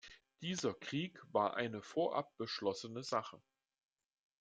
Dieser Krieg war eine vorab beschlossene Sache.